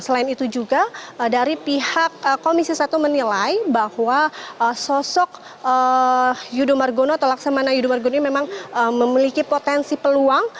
selain itu juga dari pihak komisi satu menilai bahwa sosok yudo margono atau laksamana yudo margono ini memang memiliki potensi peluang